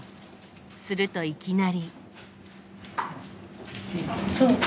するといきなり。